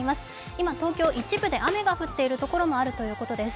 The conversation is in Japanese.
今東京、一部で雨が降っているところもあるということです。